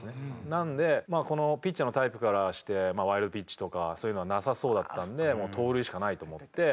なのでこのピッチャーのタイプからしてワイルドピッチとかそういうのはなさそうだったので盗塁しかないと思って。